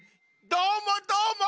どーもどーも！